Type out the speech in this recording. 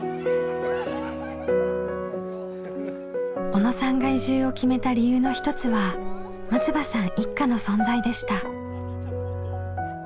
小野さんが移住を決めた理由の一つは松場さん一家の存在でした。